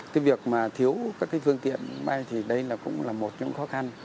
cái việc mà thiếu các cái phương tiện bay thì đây là cũng là một trong những khó khăn